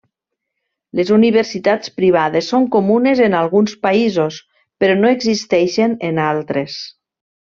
Les universitats privades són comunes en alguns països, però no existeixen en altres.